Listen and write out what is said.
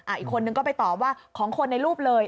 อีกคนนึงก็ไปตอบว่าของคนในรูปเลย